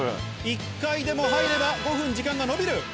１回でも入れば５分時間が延びる。